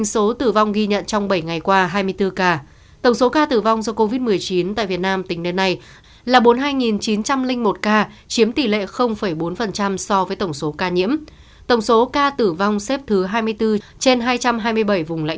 so với châu á tổng số ca tử vong xếp thứ sáu trên bốn mươi chín xếp thứ ba asean